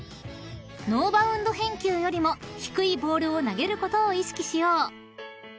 ［ノーバウンド返球よりも低いボールを投げることを意識しよう］